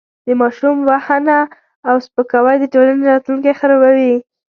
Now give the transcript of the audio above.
د ماشوم وهنه او سپکاوی د ټولنې راتلونکی خرابوي.